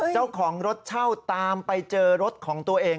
เจ้าของรถเช่าตามไปเจอรถของตัวเอง